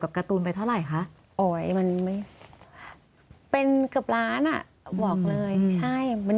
กับการ์ตูนไปเท่าไหร่คะมันไม่เป็นกับร้านอ่ะบอกเลยใช่มัน